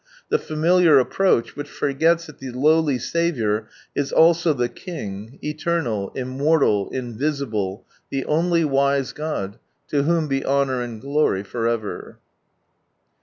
The familiar approach, which forgets that the lowly Saviour is also the King, Eternal, Immorlal, Invisible, llie only Wise God, to whom be honour and glory for ever.